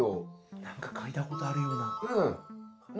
何か嗅いだことあるような。